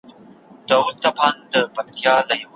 سرې لمبې په غېږ کي ګرځولای سي